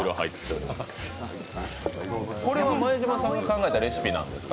これは前島さんが考えたレシピなんですか？